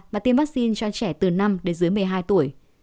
và tiêm vaccine cho trẻ từ năm đến dưới một mươi hai tuổi